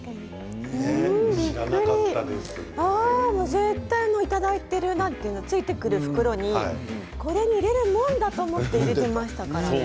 絶対いただいているついてくる袋に入れるもんだと思って入れていましたからね。